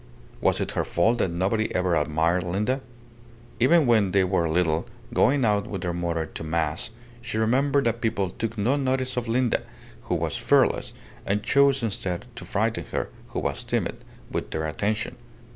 Was it her fault that nobody ever had admired Linda? Even when they were little, going out with their mother to Mass, she remembered that people took no notice of Linda, who was fearless, and chose instead to frighten her, who was timid, with their attention.